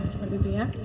seperti itu ya